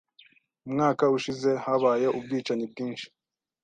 Umwaka ushize habaye ubwicanyi bwinshi.